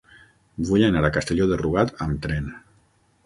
Vull anar a Castelló de Rugat amb tren.